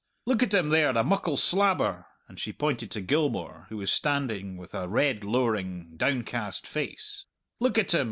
Look at him there, the muckle slabber," and she pointed to Gilmour, who was standing with a red lowering, downcast face, "look at him!